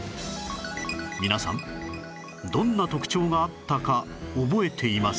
皆さんどんな特徴があったか覚えていますか？